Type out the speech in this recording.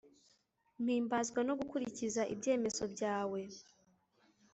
mpimbazwa no gukurikiza ibyemezo byawe